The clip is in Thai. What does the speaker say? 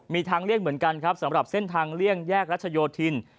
มีทางเลี่ยงเหมือนกันครับสำหรับเส้นทางเลี่ยงแยกรัชโยธิน